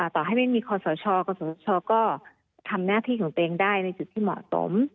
ต่อให้ไม่มีคอสชกศชก็ทำหน้าที่ของตัวเองได้ในจุดที่เหมาะสม